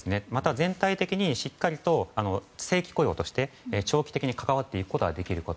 全体的に正規雇用として長期的に関わっていくことができること。